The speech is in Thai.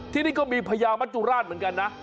ที่นี่ก็มีพญามัจจุราชเหมือนกันนะ